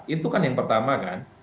itu kan yang pertama kan